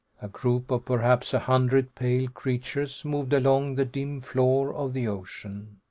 A group of perhaps a hundred pale creatures moved along the dim floor of the ocean.